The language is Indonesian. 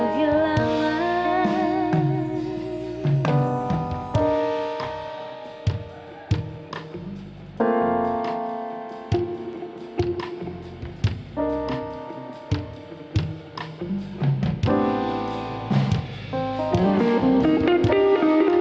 terima kasih banyak ibu